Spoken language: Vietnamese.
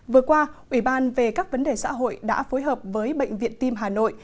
vừa qua ủy ban về các vấn đề xã hội đã phối hợp với bệnh viện tim hà nội